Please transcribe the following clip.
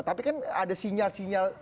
tapi kan ada sinyal sinyal